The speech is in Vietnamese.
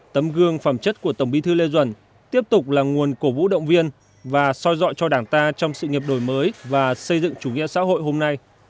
tấm gương phẩm chất của tổng bí thư lê duẩn tiếp tục là nguồn cổ vũ động viên và soi dọi cho đảng ta trong sự nghiệp đổi mới và xây dựng chủ nghĩa xã hội hôm nay